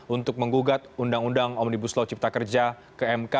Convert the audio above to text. untuk menggugat ruu omnibus law cipta kerja ke mk